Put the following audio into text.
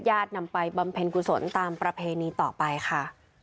กับญาติญาตินำไปบำเพ็ญกุศลตามประเพณีต่อไปค่ะ